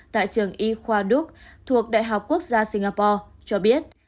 tại trường y khoa đức thuộc đại học quốc gia singapore cho biết